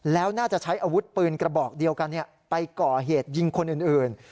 แล้วน่าจะใช้อาวุธปืนกระบอกเดียวกันไปก่อเหตุยิงคนอื่น